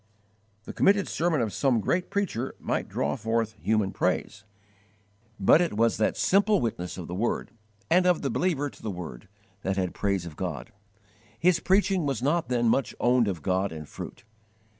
The committed sermon of some great preacher might draw forth human praise, but it was the simple witness of the Word, and of the believer to the Word, that had praise of God. His preaching was not then much owned of God in fruit.